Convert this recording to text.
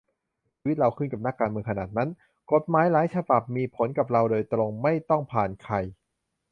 ชีวิตเราขึ้นกับนักการเมืองขนาดนั้น ? กฎหมายหลายฉบับมีผลกับเราโดยตรง ไม่ต้องผ่านใคร